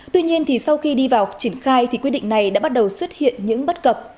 tuy nhiên sau khi đi vào triển khai thì quy định này đã bắt đầu xuất hiện những bất cập